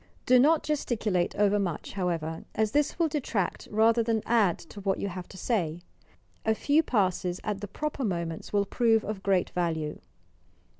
Do not gesticulate overmuch, however, as this will detract rather than add to what you have to say, A few passes at the proper moments will prove of great value.